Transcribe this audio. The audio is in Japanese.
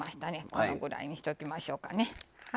このぐらいにしておきましょうかね。